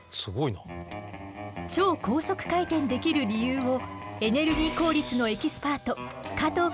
超高速回転できる理由をエネルギー効率のエキスパート加藤くんが教えてくれるわ。